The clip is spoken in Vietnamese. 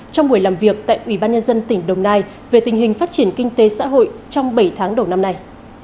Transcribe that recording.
trong buổi làm việc tại ủy ban nhân dân tỉnh đồng nai về tình hình phát triển kinh tế xã hội trong bảy tháng đầu năm nay